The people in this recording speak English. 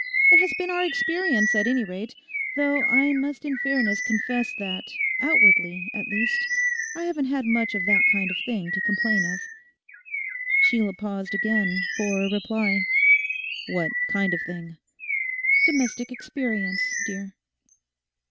It has been our experience at any rate: though I must in fairness confess that, outwardly at least, I haven't had much of that kind of thing to complain of.' Sheila paused again for a reply. 'What kind of thing?' 'Domestic experience, dear.